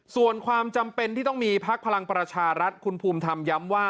ส่วนความจำเป็นที่ต้องมีพักพลังประชารัฐคุณภูมิธรรมย้ำว่า